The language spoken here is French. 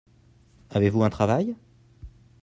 Avez-vous un travail ?